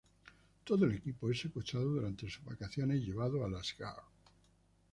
Todo el equipo es secuestrado durante sus vacaciones y llevado al Asgard.